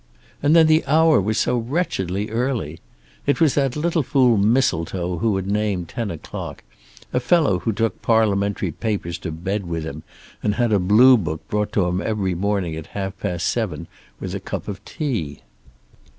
And then the hour was so wretchedly early. It was that little fool Mistletoe who had named ten o'clock, a fellow who took Parliamentary papers to bed with him, and had a blue book brought to him every morning at half past seven with a cup of tea.